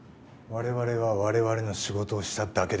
我々は我々の仕事をしただけです。